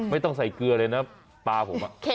ไม่ต้องใส่เกลือเลยนะปลาผม